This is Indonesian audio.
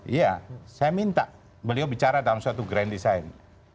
iya saya minta beliau bicara dalam suatu grand design